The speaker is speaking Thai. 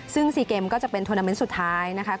ซึ่ง๔เกมก็จะเป็นทวนาเมนต์สุดท้ายนะคะ